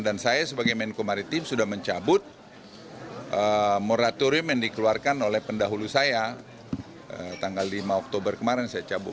dan saya sebagai menko maritim sudah mencabut moratorium yang dikeluarkan oleh pendahulu saya tanggal lima oktober kemarin saya cabut